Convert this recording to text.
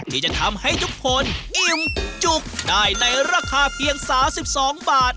ที่จะทำให้ทุกคนอิ่มจุกได้ในราคาเพียง๓๒บาท